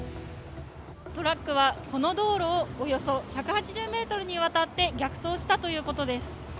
トラックはこの道路をおよそ１８０ｍにわたって逆走したということです。